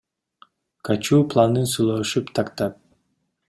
Качуу планын сүйлөшүп, тактап.